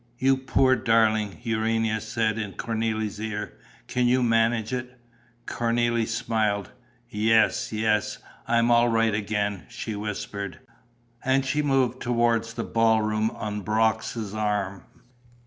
"You poor darling!" Urania said in Cornélie's ear. "Can you manage it?" Cornélie smiled: "Yes, yes, I'm all right again," she whispered. And she moved towards the ball room on Brox's arm.